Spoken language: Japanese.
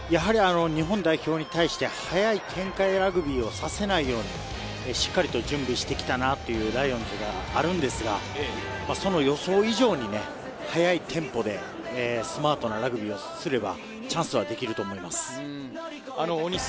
日本代表に対して速い展開、ラグビーをさせないように、しっかりと準備してきたなというライオンズではあるんですが、その予想以上に速いテンポで、スマートなラグビーをすればチャンスはできると思います。